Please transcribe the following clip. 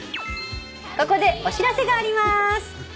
ここでお知らせがあります。